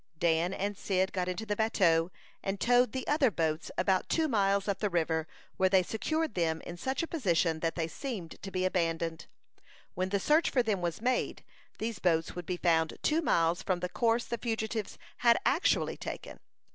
Dan and Cyd got into the bateau, and towed the other boats about two miles up the river, where they secured them in such a position that they seemed to be abandoned. When the search for them was made, these boats would be found two miles from the course the fugitives had actually taken.